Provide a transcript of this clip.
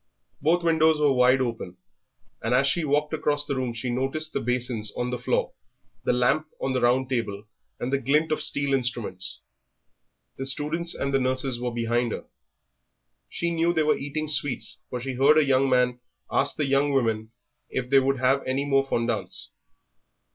Both windows were wide open, and as she walked across the room she noticed the basins on the floor, the lamp on the round table, and the glint of steel instruments. The students and the nurses were behind her; she knew they were eating sweets, for she heard a young man ask the young women if they would have any more fondants.